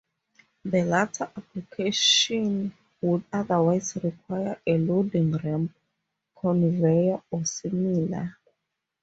The latter application would otherwise require a loading ramp, conveyor, or similar.